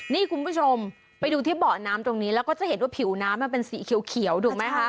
นี่คุณผู้ชมไปดูที่เบาะน้ำตรงนี้แล้วก็จะเห็นว่าผิวน้ำมันเป็นสีเขียวถูกไหมคะ